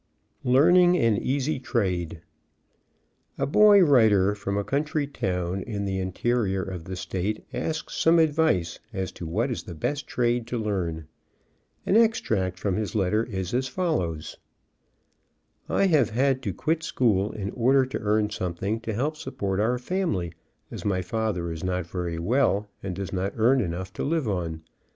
LEARNING AN EASY TRADE. A boy writer from a country town in the interior of the state asks some advice as to what is the best trade to learn. An extract from his letter is as fol lows : "I have had to quit school in order to earn some thing to help support our family, as my father is not very well and does not earn enough to live on.